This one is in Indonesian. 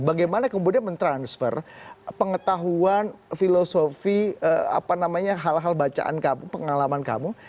bagaimana kemudian mentransfer pengetahuan filosofi apa namanya hal hal bacaan kamu pengalaman kamu